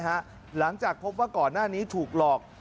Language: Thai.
หลังจากพบว่าก่อนหน้านี้ถูกหลอก